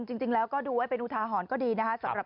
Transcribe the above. จริงแล้วก็ดูไว้เป็นอุทาหรณ์ก็ดีนะครับ